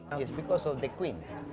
ini karena perempuan